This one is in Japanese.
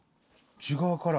内側から？